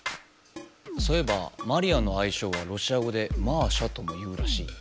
そういえばマリアの愛称はロシア語でマーシャとも言うらしいよ。